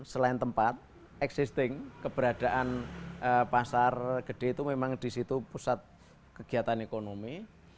selain tempat existing keberadaan pasar gede itu memang di situ pusat kegiatan ekonomi